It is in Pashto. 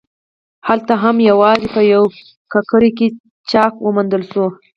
هلته هم یوازې په یوه ککرۍ کې چاک وموندل شو.